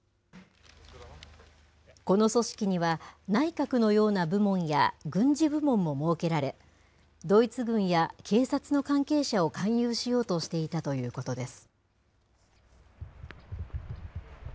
この組織には、内閣のような部門や、軍事部門も設けられ、ドイツ軍や警察の関係者を勧誘しようとしていたということです。